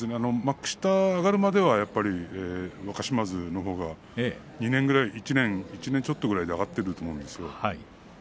幕下上がるまではやっぱり若嶋津のほうが２年くらい１年ちょっとくらいで上がっていると思うんですよ。